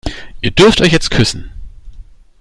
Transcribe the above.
Ihr dürft euch jetzt küssen.